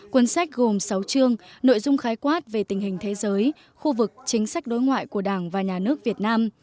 cuốn sách gồm sáu chương nội dung khái quát về tình hình thế giới khu vực chính sách đối ngoại của đảng và nhà nước việt nam